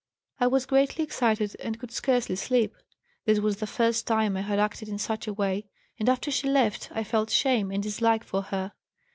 I was greatly excited and could scarcely sleep. This was the first time I had acted in such a way, and after she left I felt shame and dislike for her.